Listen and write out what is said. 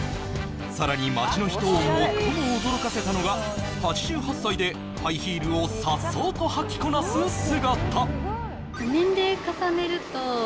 さらに街の人を最も驚かせたのが８８歳でハイヒールをさっそうと履きこなす姿